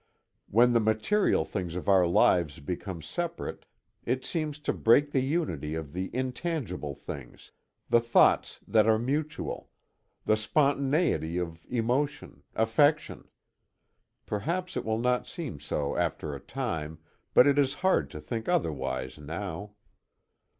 When the material things of our lives become separate, it seems to break the unity of the intangible things the thoughts that are mutual; the spontaneity of emotion, affection. Perhaps it will not seem so after a time, but it is hard to think otherwise now.